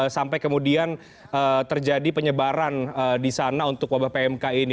sampai kemudian terjadi penyebaran di sana untuk wabah pmk ini